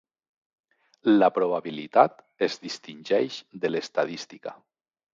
La probabilitat es distingeix de l'estadística.